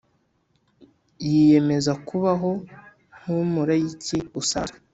yiyemeza kubaho nk’umulayiki usanzwe